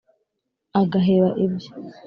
agaheba ibye,